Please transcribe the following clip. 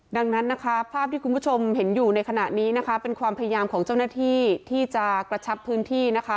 ดังนั้นนะคะภาพที่คุณผู้ชมเห็นอยู่ในขณะนี้นะคะเป็นความพยายามของเจ้าหน้าที่ที่จะกระชับพื้นที่นะคะ